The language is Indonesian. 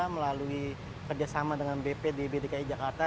melalui kerjasama dengan bp db dki jakarta